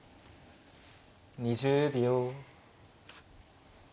２０秒。